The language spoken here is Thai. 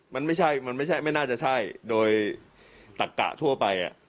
มันไม่ใช่ไม่น่าจะใช่โดยตักกะทั่วไป